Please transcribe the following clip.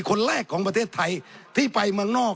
คนแรกของประเทศไทย